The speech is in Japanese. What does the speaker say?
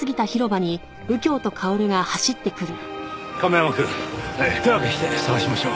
亀山くん手分けして捜しましょう。